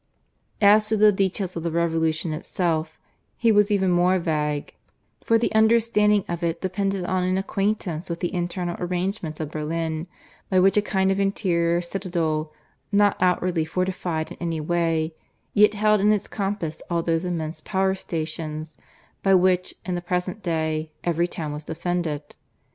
As to the details of the revolution itself he was even more vague, for the understanding of it depended on an acquaintance with the internal arrangements of Berlin, by which a kind of interior citadel, not outwardly fortified in any way, yet held in its compass all those immense "power stations" by which, in the present day, every town was defended.